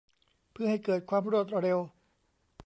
เพื่อให้เกิดความรวดเร็ว